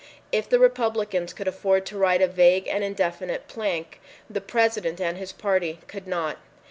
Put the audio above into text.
If the Republicans could afford to write a vague and indefinite plank, the President and his party could not.